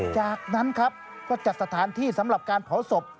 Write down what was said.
จากนั้นครับก็จัดสถานที่สำหรับการเผาศพ